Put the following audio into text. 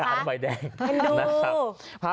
เฮ่ยดูนะครับ